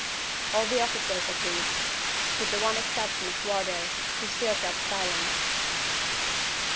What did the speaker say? All the officers agreed, with the one exception of Wardour, who still kept silence.